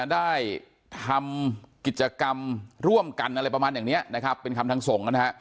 ได้ทำกิจกรรมร่วมกันอะไรประมาณอย่างนี้นะครับเป็นคำทางส่งนะฮะ